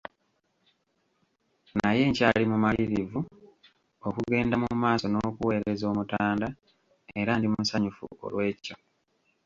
Naye nkyali mumalirivu okugenda mu maaso n’okuweereza Omutanda era ndi musanyufu olwekyo.